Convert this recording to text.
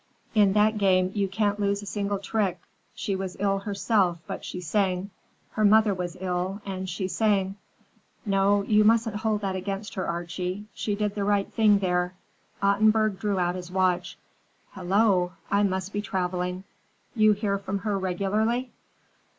In that game you can't lose a single trick. She was ill herself, but she sang. Her mother was ill, and she sang. No, you mustn't hold that against her, Archie. She did the right thing there." Ottenburg drew out his watch. "Hello! I must be traveling. You hear from her regularly?"